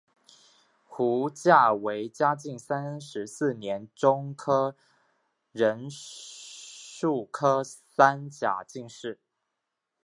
胡价为嘉靖三十四年中式壬戌科三甲进士。